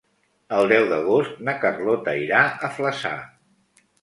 El deu d'agost na Carlota irà a Flaçà.